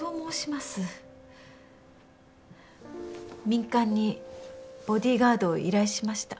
民間にボディーガードを依頼しました。